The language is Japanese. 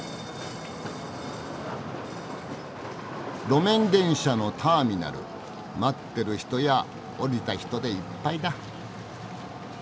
路面電車のターミナル待ってる人や降りた人でいっぱいだ。